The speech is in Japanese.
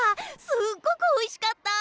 すっごくおいしかった！